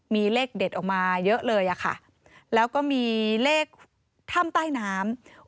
มีเลขเด็ดออกมาเยอะเลยอะค่ะแล้วก็มีเลขถ้ำใต้น้ำ